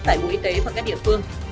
tại bộ y tế và các địa phương